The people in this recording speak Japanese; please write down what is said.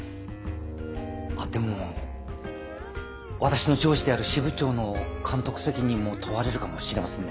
あっでも私の上司である支部長の監督責任も問われるかもしれませんね。